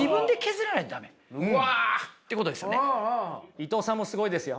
伊藤さんもすごいですよ。